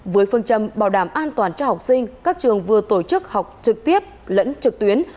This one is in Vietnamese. với phương châm bảo đảm an toàn cho học sinh các trường vừa tổ chức học trực tiếp lẫn trực tuyến